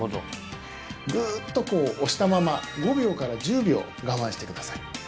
グーッとこう押したまま５秒から１０秒我慢してください